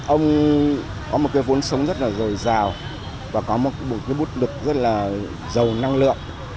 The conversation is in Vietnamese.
ông có một cái vốn sống rất là dồi dào và có một cái bút lực rất là giàu năng lượng